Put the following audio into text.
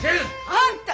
あんた！